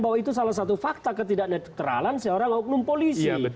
bahwa itu salah satu fakta ketidak netralan seorang oknum polisi